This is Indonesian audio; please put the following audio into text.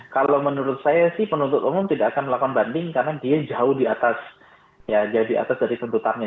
kalau menurut saya sih penuntut umum tidak akan melakukan banding karena dia jauh di atas dari tuntutannya